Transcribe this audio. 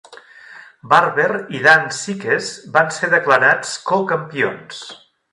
Barber i Dan Sikes van ser declarats cocampions.